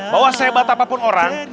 bahwa sehebat apapun orang